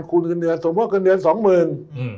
คุณเงินเดือนสมมุติเงินเดือนสองหมื่น